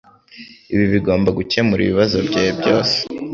Ibi bigomba gukemura ibibazo byawe byose.